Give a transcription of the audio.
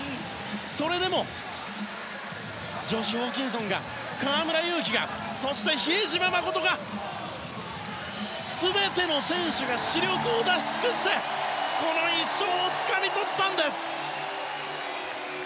それでもジョシュ・ホーキンソンが河村勇輝が、そして比江島慎が全ての選手が死力を出し尽くしてこの１勝をつかみ取ったんです！